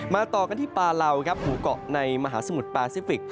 มาต่อกันที่ป่าลาวครับหูเกาะในมหาสมุทรปาซิฟิก